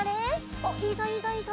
おっいいぞいいぞいいぞ。